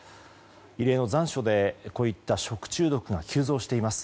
異例の残暑でこういった食中毒が急増しています。